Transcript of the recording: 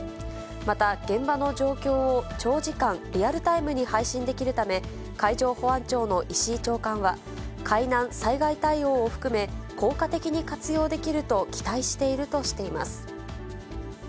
また、現場の状況を長時間、リアルタイムに配信できるため、海上保安庁の石井長官は、海難・災害対応を含め、効果的に活用できると期待しているとしています。